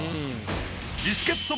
ビスケット